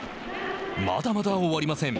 まだまだ終わりません